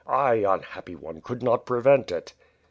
I! unhappy one, could not prevent it."